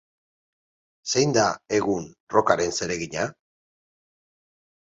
Zein da, egun, rockaren zeregina?